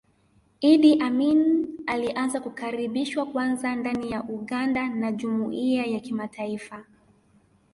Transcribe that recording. Idi Amin alianza kukaribishwa kwanza ndani ya Uganda na jumuiya ya kimataifa